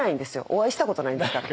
お会いしたことないんですから。